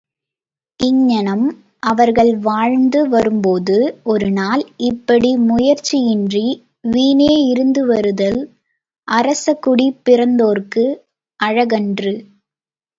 அங்ஙனம் அவர்கள் வாழ்ந்து வரும்போது ஒருநாள், இப்படி முயற்சியின்றி வீணே இருந்துவருதல் அரசர்குடிப் பிறந்தோர்க்கு அழகன்று.